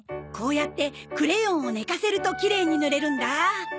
こうやってクレヨンを寝かせるときれいに塗れるんだ。